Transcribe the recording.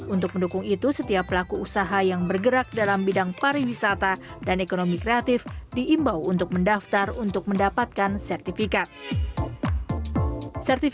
untuk mendukung itu setiap pelaku usaha yang bergerak dalam bidang pariwisata dan ekonomi kreatif diimbau untuk mendaftar untuk mendapatkan sertifikat